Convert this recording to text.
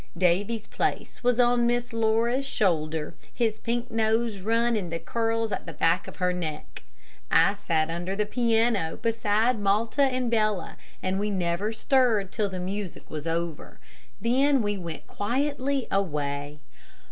Davy's place was on Miss Laura's shoulder, his pink nose run in the curls at the back of her neck. I sat under the piano beside Malta and Bella, and we never stirred till the music was over; then we went quietly away.